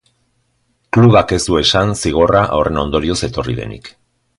Klubak ez du esan zigorra horren ondorioz etorri denik.